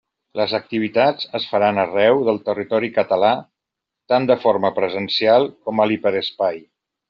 Les activitats es faran arreu del territori català, tant de forma presencial com a l'hiperespai.